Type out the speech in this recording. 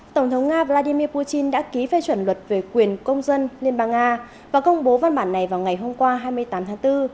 tổng thống nga vladimir putin đã ký phê chuẩn luật về quyền công dân liên bang nga và công bố văn bản này vào ngày hôm qua hai mươi tám tháng bốn